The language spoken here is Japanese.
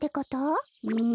うん。